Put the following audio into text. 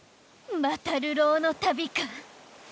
また流浪の旅か。